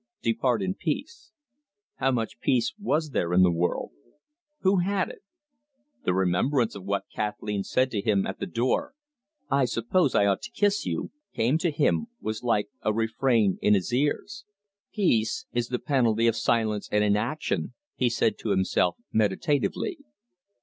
Depart in peace how much peace was there in the world? Who had it? The remembrance of what Kathleen said to him at the door "I suppose I ought to kiss you" came to him, was like a refrain in his ears. "Peace is the penalty of silence and inaction," he said to himself meditatively.